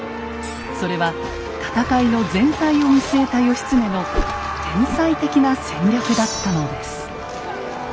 それは戦いの全体を見据えた義経の天才的な戦略だったのです。